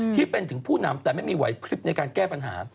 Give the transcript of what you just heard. ที่เป็นถึงผู้นำแต่ไม่มีไหวพลิบในการแก้ปัญหา